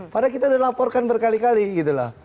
padahal kita udah laporkan berkali kali gitu loh